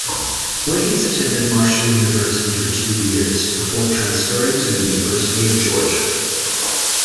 Wiggins attended Marshall University for two years before transferring to the University of Georgia.